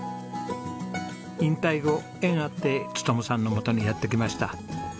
引退後縁あって勉さんの元にやって来ました。